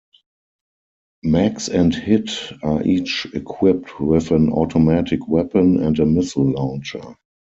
Max and Hit are each equipped with an automatic weapon and a missile launcher.